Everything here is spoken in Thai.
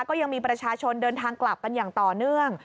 ก็ยังมีประชาชนเดินทางกลับกันอย่างต่อเนื่อง